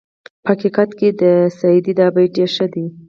په حقیقت کې د سعدي دا بیت ډېر ښه دی.